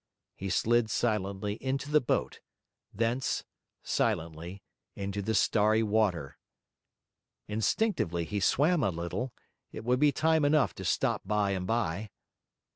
He slid silently into the boat; thence, silently, into the starry water. Instinctively he swam a little; it would be time enough to stop by and by.